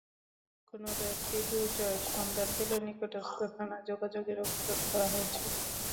কোনো ব্যক্তি দুর্জয়ের সন্ধান পেলে নিকটস্থ থানায় যোগাযোগের অনুরোধ করা হয়েছে।